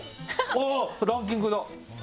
あぁランキングだ！